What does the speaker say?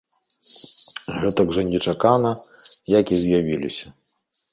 Гэтак жа нечакана, як і з'явіліся.